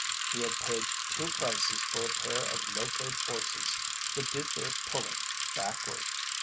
He had paid two prices for a pair of locoed horses that did their pulling backward.